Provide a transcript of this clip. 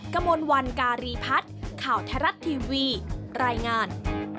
กระมวลวันการีพัฒน์ข่าวไทยรัฐทีวีรายงาน